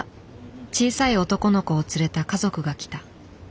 小さい男の子を連れた家族が来た。